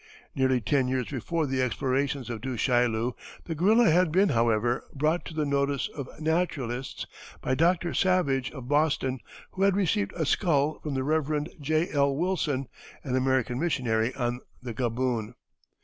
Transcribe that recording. Nearly ten years before the explorations of Du Chaillu the gorilla had been, however, brought to the notice of naturalists by Dr. Savage, of Boston, who had received a skull from the Rev. J. L. Wilson, an American missionary on the Gaboon.